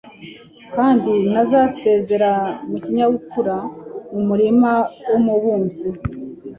kandi ntazasezera mu kinyabupfura mu murima wumubumbyi